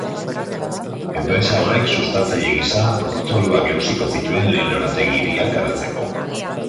Enpresa horrek sustatzaile gisa lurzoruak erosiko zituen lehen lorategi-hiriak garatzeko.